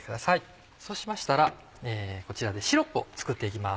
そうしましたらこちらでシロップを作って行きます。